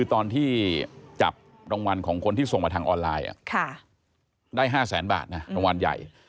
ตอนที่จับรางวัลของคนที่ส่งมาทางออนไลน์ได้๕แสนบาทนะรางวัลใหญ่